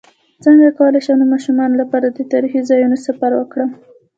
څنګه کولی شم د ماشومانو لپاره د تاریخي ځایونو سفر وکړم